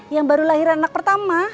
jangan disuruh cuma takut dua mbak gitu ya